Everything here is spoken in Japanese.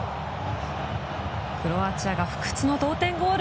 クロアチアが不屈の同点ゴール！